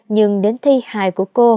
nhưng đến thi hài của cô